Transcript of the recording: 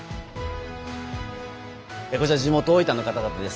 こちら、地元・大分の方々です。